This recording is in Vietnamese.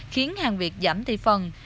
khiến hàng việt giảm thị phần